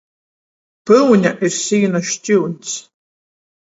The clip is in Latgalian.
Pyune ir sīna škiuņs.